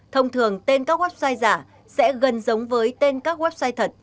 thông thường tên các website giả sẽ gần giống với tên các website thật